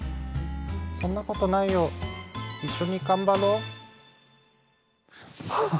そんなことないよ一緒に頑張ろ！はあ！